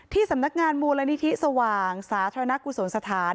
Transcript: สำนักงานมูลนิธิสว่างสาธารณกุศลสถาน